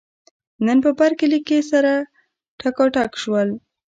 نن په برکلي کې سره ټکاټک شول.